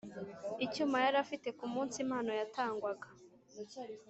Icyuma yarafite ku munsi impano yatangwaga